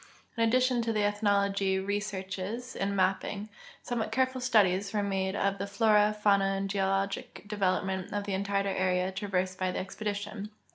In addition to the ethnologic researches and ma])ping, somewhat careful studies were made of the flora, fauna, and geologic development of the entire area trav ersed by the expedition.